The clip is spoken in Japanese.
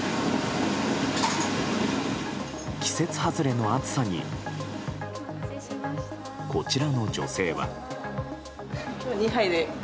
季節外れの暑さにこちらの女性は。